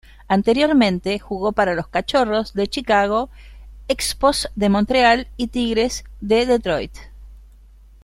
Anteriormente jugó para los Cachorros de Chicago, Expos de Montreal y Tigres de Detroit.